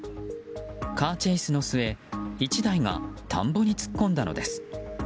カーチェイスの末１台が田んぼに突っ込んだのです。